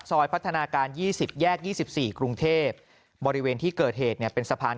พัฒนาการ๒๐แยก๒๔กรุงเทพบริเวณที่เกิดเหตุเนี่ยเป็นสะพาน